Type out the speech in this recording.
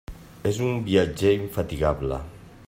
És un viatger infatigable.